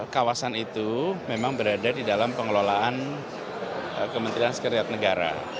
kawasan itu memang berada di dalam pengelolaan kementerian sekretariat negara